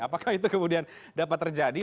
apakah itu kemudian dapat terjadi